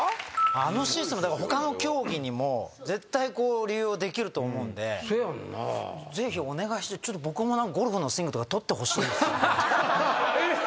あのシステム他の競技にも絶対利用できると思うんでぜひお願いして僕もゴルフのスイングとか撮ってほしいですね。